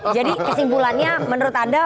jadi kesimpulannya menurut anda